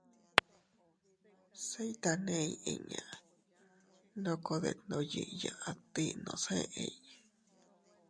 Se iytaney inña ndoko detndoyiya adtinos eʼey: